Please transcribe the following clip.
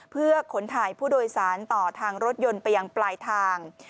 เพื่อขนถ่ายผู้โดยสารต่อทางรถยนต์ไปยังปลายทาง